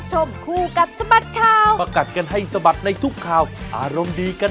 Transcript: หมดเวลาต้องลายไปแล้วสวัสดีค่ะ